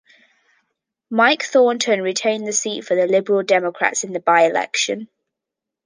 Mike Thornton retained the seat for the Liberal Democrats in the by-election.